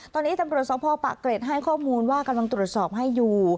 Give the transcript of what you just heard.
ตอนนี้ตำรวจสภปะเกร็ดให้ข้อมูลว่ากำลังตรวจสอบให้อยู่